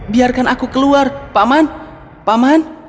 biarkan aku keluar paman paman